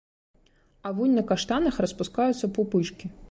А вунь на каштанах распускаюцца пупышкі.